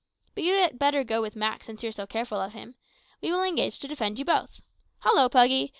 But you'd better go with Mak, since you're so careful of him. We will engage to defend you both. Hollo, Puggy!